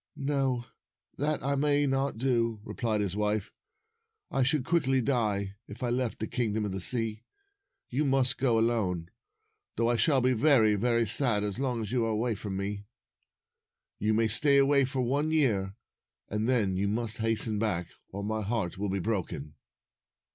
''No; that I may not do," replied his wife. " I should quickly die if I left the Kingdom of the Sea. You must go alone, though I shall be very, very sad as long as you are away from me. You may stay away for one year, and then you must hasten back, or my heart will be broken."